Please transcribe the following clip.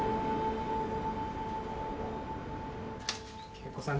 惠子さん